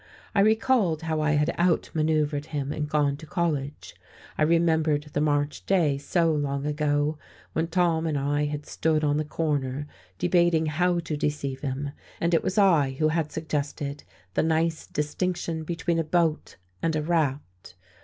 I recalled how I had out manoeuvred him and gone to college; I remembered the March day so long ago, when Tom and I had stood on the corner debating how to deceive him, and it was I who had suggested the nice distinction between a boat and a raft.